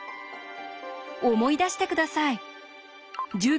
思い出して下さい。